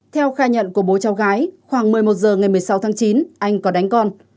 theo khai nhận của bố cháu gái khoảng một mươi một h ngày một mươi sáu tháng chín anh có đánh con